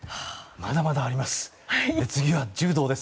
まだまだあります。